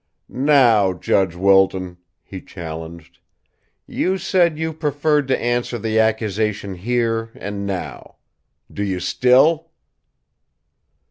"Now, Judge Wilton," he challenged, "you said you preferred to answer the accusation here and now. Do you, still?"